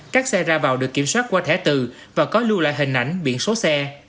các xe ra vào được kiểm soát qua thẻ từ và có lưu lại hình ảnh biển số xe